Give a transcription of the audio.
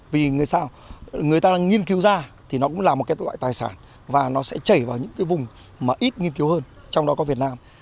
vì người ta nghiên cứu ra thì nó cũng là một loại tài sản và nó sẽ chảy vào những vùng mà ít nghiên cứu hơn trong đó có việt nam